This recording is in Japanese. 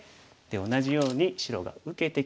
で同じように白が受けてきたら。